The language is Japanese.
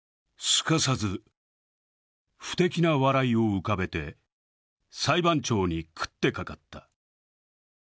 すかさず、ふてきな笑いを浮かべて裁判長に食ってかかった。